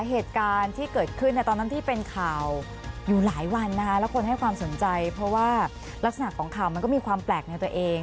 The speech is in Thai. เหตุการณ์ที่เกิดขึ้นในตอนนั้นที่เป็นข่าวอยู่หลายวันนะคะแล้วคนให้ความสนใจเพราะว่าลักษณะของข่าวมันก็มีความแปลกในตัวเอง